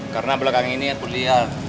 karena belakang ini aku lihat